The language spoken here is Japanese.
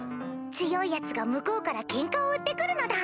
強いヤツが向こうからケンカを売って来るのだ。